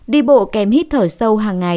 đi bộ kèm hít thở sâu hàng ngày